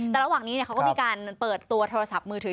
แต่ระหว่างนี้เขาก็มีการเปิดตัวโทรศัพท์มือถือ